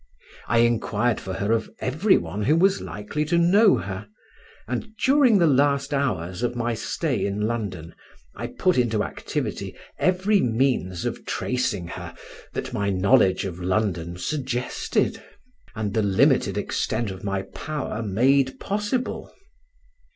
I inquired for her of every one who was likely to know her, and during the last hours of my stay in London I put into activity every means of tracing her that my knowledge of London suggested and the limited extent of my power made possible.